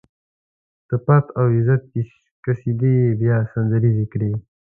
د پت او عزت قصيدې يې بيا سندريزې کړې.